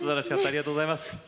ありがとうございます。